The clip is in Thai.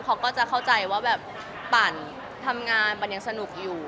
เขาก็จะเข้าใจว่าแบบปั่นทำงานปั่นยังสนุกอยู่